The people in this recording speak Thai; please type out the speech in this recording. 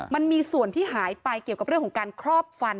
มันมีส่วนที่หายไปเกี่ยวกับเรื่องของการครอบฟัน